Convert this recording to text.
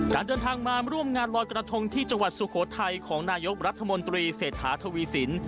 การเดินทางมาร่วมงานลอยกระทงที่จังหวัดสุโขทัยของนายกรัฐมนตรีเศรษฐาทวีสิน